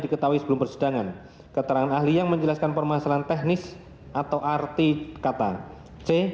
diketahui sebelum persidangan keterangan ahli yang menjelaskan permasalahan teknis atau arti kata c